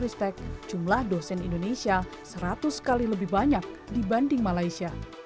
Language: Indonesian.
tapi juga menurut menristek jumlah dosen indonesia seratus kali lebih banyak dibanding malaysia